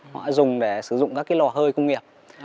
họ dùng để sử dụng các cái lò hơi công nghiệp